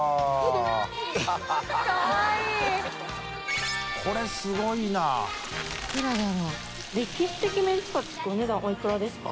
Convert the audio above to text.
淵好織奪奸歴史的メンチカツってお値段おいくらですか？